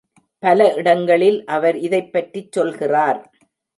பல இடங்களில் அவர் இதைப் பற்றிச் சொல்கிறார்.